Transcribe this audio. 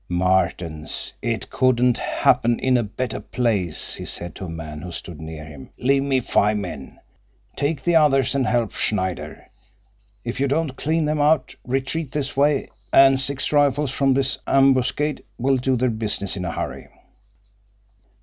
"Martens, it couldn't happen in a better place," he said to a man who stood near him. "Leave me five men. Take the others and help Schneider. If you don't clean them out, retreat this way, and six rifles from this ambuscade will do the business in a hurry."